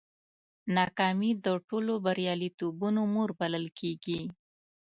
ناکامي د ټولو بریالیتوبونو مور بلل کېږي.